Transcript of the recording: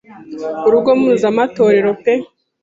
urugo mpuzemetorero pe,